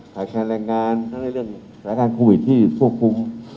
ขาดแค้นแรงงานทั้งในเรื่องสถาลควิตถ์ที่ควบคุม